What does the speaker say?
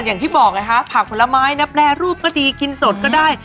อย่างที่บอกไงฮะผักผลไม้นะแปรรูปก็ดีกินสดก็ได้